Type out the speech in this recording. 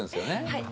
はい。